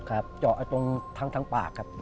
ครับเจาะตรงทางปากครับ